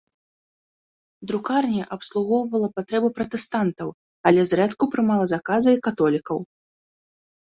Друкарня абслугоўвала патрэбы пратэстантаў, але зрэдку прымала заказы і католікаў.